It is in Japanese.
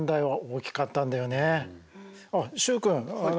あっ習君